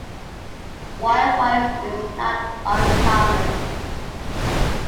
Wildfire is not uncommon.